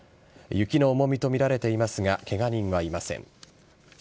雪の重みと見られていますが、けが人はいません。